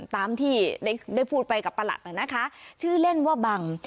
ตามที่ได้พูดไปกับประหลัดนะคะชื่อเล่นว่าบัง